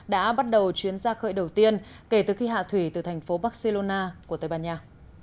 đã bắt đầu chuyến ra khơi đầu tiên kể từ khi hạ thủy từ thành phố barcelona của tây ban nha